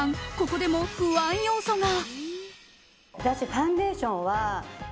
ここでも不安要素が。